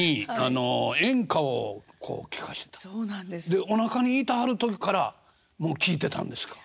でおなかにいてはる時からもう聴いてたんですか。